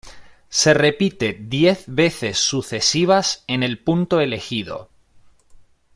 Se repite diez veces sucesivas en el punto elegido.